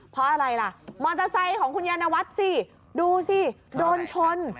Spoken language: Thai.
เพราะอะไรล่ะมอเตอร์ไซค์ของคุณยานวัฒน์สิดูสิโดนชน